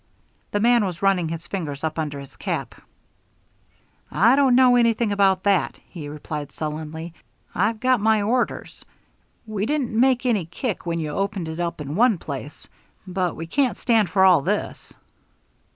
The man was running his fingers up under his cap. "I don't know anything about that," he replied sullenly. "I've got my orders. We didn't make any kick when you opened up in one place, but we can't stand for all this."